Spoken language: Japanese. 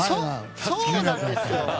そうなんですよ。